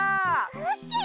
オッケー！